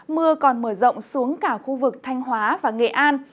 mưa còn mở rộng xuống cả khu vực thanh hóa và nghệ an